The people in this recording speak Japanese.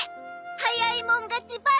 早いもん勝ちばい！